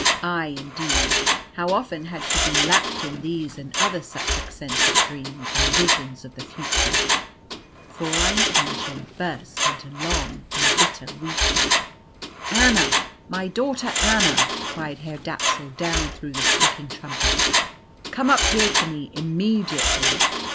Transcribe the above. Ay, indeed, how often had she been lapt in these and other such eccentric dreams, and visions of the future! Fräulein Aennchen burst into long and bitter weeping. "Anna, my daughter Anna," cried Herr Dapsul down through the speaking trumpet; "come up here to me immediately!"